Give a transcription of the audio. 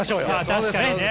確かにね。